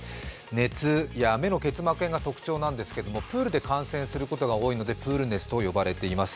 熱や目の結膜炎が特徴なんですけれども、プールで感染することが多いのでプール熱と呼ばれています。